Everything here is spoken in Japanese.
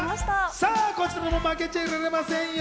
こちらも負けてはいられませんよ。